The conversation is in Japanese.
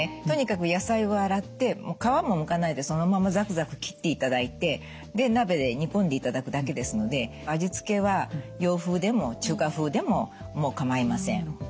とにかく野菜を洗って皮もむかないでそのままザクザク切っていただいてで鍋で煮込んでいただくだけですので味付けは洋風でも中華風でも構いません。